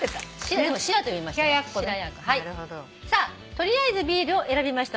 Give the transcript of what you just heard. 「とりあえずビール」を選びました